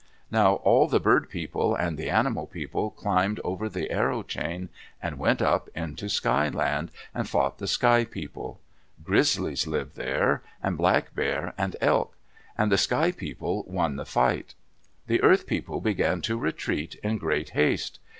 Now all the Bird People and the Animal People climbed over the arrow chain and went up into Sky Land and fought the Sky People. Grizzlies lived there, and Black Bear and Elk. And the Sky People won the fight. The Earth People began to retreat in great haste.